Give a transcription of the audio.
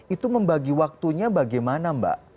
itu membagi waktunya bagaimana mbak